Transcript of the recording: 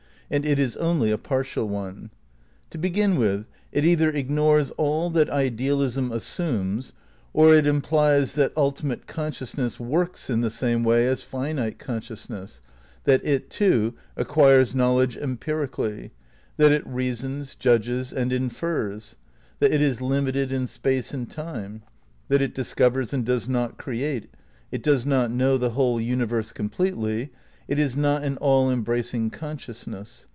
And it is only a partial one. To begin with, it either ignores all that idealism assumes, or it implies that ultimate consciousness "works" in the same way as finite consciousness, that it, too, acquires knowledge empirically ; that it reasons, judges and infers ; that it is limited in space and time ; that it discovers and does not create ; it does not know the whole universe completely; it is not an all em bracing consciousness.